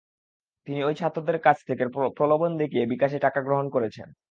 তিনি ওই ছাত্রদের কাছ থেকে প্রলোভন দেখিয়ে বিকাশে টাকা গ্রহণ করেছেন।